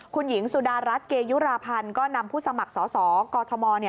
คุณหญิงสุดารัฐเกยุราพันธ์ก็นำผู้สมัครสอสอกอทม